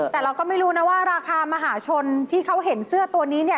แต่เราก็ไม่รู้นะว่าราคามหาชนที่เขาเห็นเสื้อตัวนี้เนี่ย